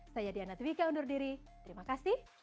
saya diana twika undur diri terima kasih